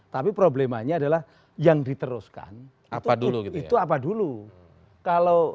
tapi problemanya adalah yang diteruskan itu apa dulu